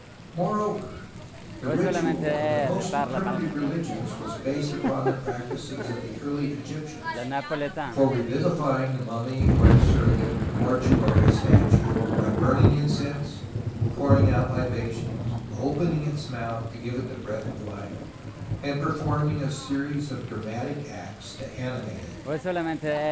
More over, the ritual of the most primitive religions was based upon the practices of the early Egyptians for revivifying the mummy, or its surrogate, the mortuary statue, by burning incense, pouring out libations, opening its mouth to give it the breath of life, and per forming a series of dramatic acts to animate it.